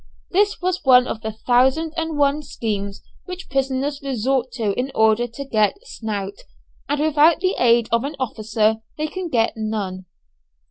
This was one of the thousand and one schemes which prisoners resort to in order to get "snout," and without the aid of an officer they can get none.